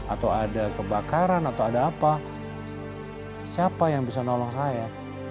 atau ada kebakaran atau ada apa siapa yang bisa nolong saya